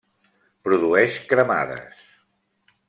Produeix cremades.